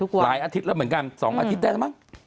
หลายอาทิตย์แล้วเหมือนกัน๒อาทิตย์ได้แล้วมั้ง